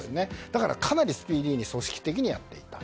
だから、かなりスピーディーに組織的にやっていた。